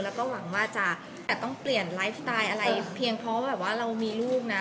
และหวังว่าจะแขกต้องเปลี่ยนไลฟ์ตายอะไรเพียงเพราะเรามีลูกนะ